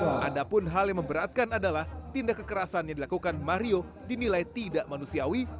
walaupun hal yang memberatkan adalah tindak kekerasan dilakukan mario dinilai tidak manusiawi